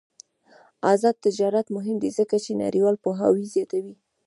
آزاد تجارت مهم دی ځکه چې نړیوال پوهاوی زیاتوي.